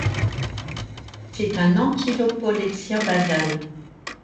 C'est un ankylopollexien basal.